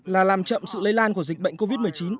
là làm chậm sự lây lan của dịch bệnh covid một mươi chín